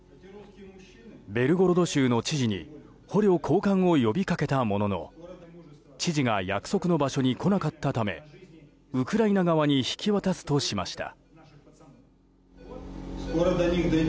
ベルゴロド州の知事に捕虜交換を呼びかけたものの知事が約束の場所に来なかったためウクライナ側に引き渡すとしました。